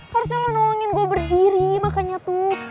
harusnya lo nolongin gue berdiri makanya tuh